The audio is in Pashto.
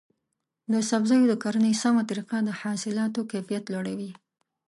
د سبزیو د کرنې سمه طریقه د حاصلاتو کیفیت لوړوي.